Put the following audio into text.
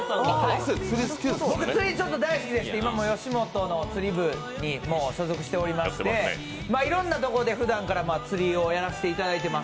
僕釣りが大好きでして今も吉本の釣り部に所属しておりましていろんなところでふだんつりをやらせてもらってます。